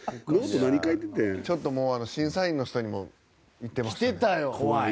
ちょっと審査員の人にもきてましたよ。